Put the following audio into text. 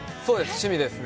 趣味ですね。